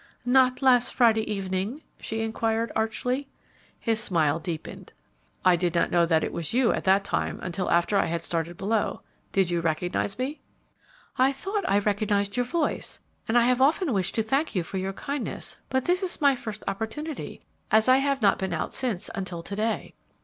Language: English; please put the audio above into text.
"Not last Friday evening?" she inquired, archly. His smile deepened. "I did not know that it was you at that time until after I had started below. Did you recognize me?" "I thought I recognized your voice; and I have often wished to thank you for your kindness, but this is my first opportunity, as I have not been out since until to day."